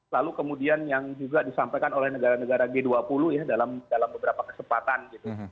lalu kemudian yang juga disampaikan oleh negara negara g dua puluh ya dalam beberapa kesempatan gitu